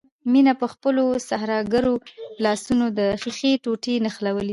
مينه په خپلو سحرګرو لاسونو د ښيښې ټوټې نښلوي.